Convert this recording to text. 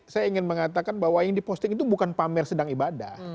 saya ingin mengatakan bahwa yang diposting itu bukan pamer sedang ibadah